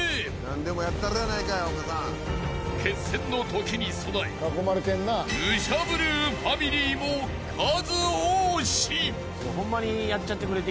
［決戦の時に備え武者震うファミリーも数多し］